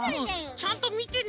ちゃんとみてね